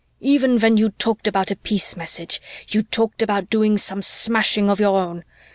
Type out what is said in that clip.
Even when you talked about a peace message, you talked about doing some smashing of your own.